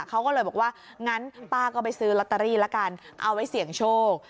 เขาก็เลยบอกว่างั้นป้าก็ไปซื้อลอตเตอรี่ละกันเอาไว้เสี่ยงโชค